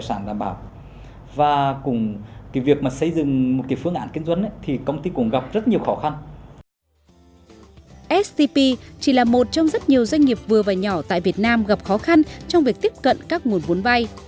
stp chỉ là một trong rất nhiều doanh nghiệp vừa và nhỏ tại việt nam gặp khó khăn trong việc tiếp cận các nguồn vốn vay